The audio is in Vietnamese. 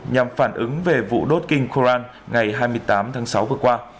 nhằm phản ứng về vụ đốt kinh koran ngày hai mươi tám tháng sáu vừa qua